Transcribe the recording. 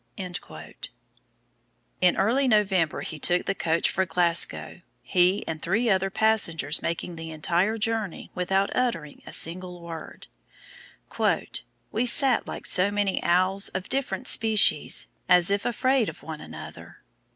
In early November he took the coach for Glasgow, he and three other passengers making the entire journey without uttering a single word: "We sat like so many owls of different species, as if afraid of one another."